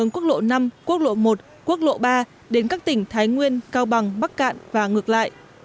quốc lộ ba đến các tỉnh thái nguyên cao bằng bắc cạn và ngược lại